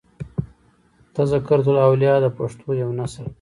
" تذکرة الاولیاء" د پښتو یو نثر دﺉ.